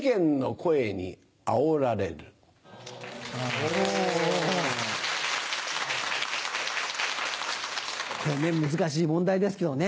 これね難しい問題ですけどね。